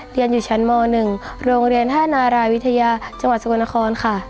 เรียนอยู่ชั้นม๑โรงเรียน๕นารายวิทยาจังหวัดสกลนครค่ะ